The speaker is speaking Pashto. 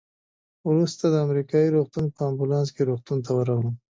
وروسته د امریکایي روغتون په امبولانس کې روغتون ته ورغلم.